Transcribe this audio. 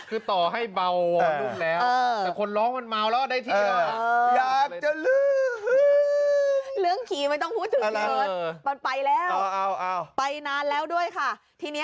คือต่อให้เบาลุกแล้วแต่คนร้องมันเมาแล้วได้ที่อะเออ